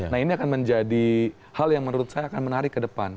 nah ini akan menjadi hal yang menurut saya akan menarik ke depan